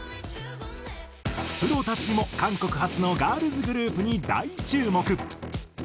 プロたちも韓国発のガールズグループに大注目。